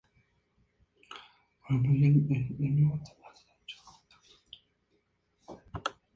Ahora estas alfombras se exhiben en el museo en una exposición titulada "Cultura Quemada".